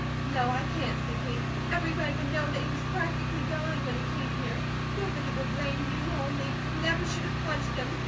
"No, I can't," said Kate. "Everybody would know that he was practically dying when he came here. Nobody will blame you, only, you never should have touched him!